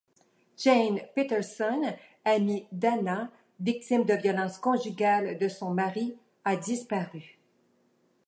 Jane Peterson, amie d’Hannah, victime de violences conjugales de son mari a disparu.